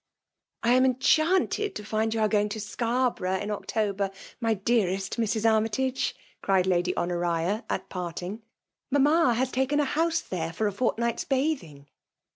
" I am enchanted to find you are going to Scarborough in October, my dearest Mrs. Arraytage," cried Lady Honoria, at parting. '* Mamma has taken a house there for a fort night's bathing.